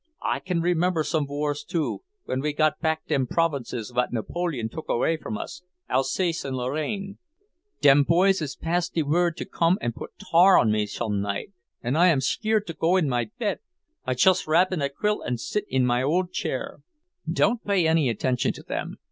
"I can remember some wars, too; when we got back dem provinces what Napoleon took away from us, Alsace and Lorraine. Dem boys is passed de word to come and put tar on me some night, and I am skeered to go in my bet. I chust wrap in a quilt and sit in my old chair." "Don't pay any attention to them.